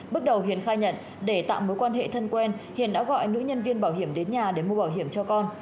bước đầu hiền khai nhận để tạo mối quan hệ thân quen hiền đã gọi nữ nhân viên bảo hiểm đến nhà để mua bảo hiểm cho con